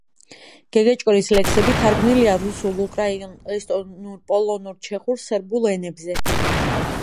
გეგეჭკორის ლექსები თარგმნილია რუსულ, უკრაინულ, ესტონურ, პოლონურ, ჩეხურ, სერბულ ენებზე.